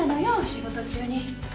仕事中に。